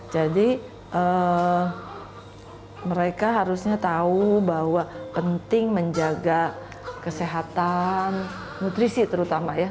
jadi mereka harusnya tahu bahwa penting menjaga kesehatan nutrisi terutama ya